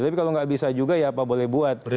tapi kalau nggak bisa juga ya apa boleh buat